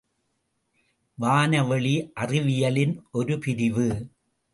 வானவெளி அறிவியலின் ஒரு பிரிவு.